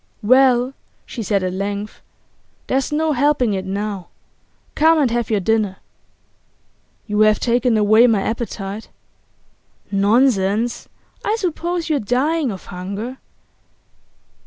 'Well,' she said at length, 'there's no helping it now. Come and have your dinner.' 'You have taken away my appetite.' 'Nonsense! I suppose you're dying of hunger.